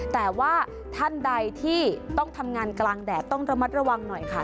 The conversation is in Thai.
แต่ว่าท่านใดที่ต้องทำงานกลางแดดต้องระมัดระวังหน่อยค่ะ